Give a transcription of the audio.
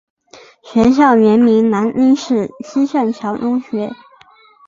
学校原名南京市西善桥中学。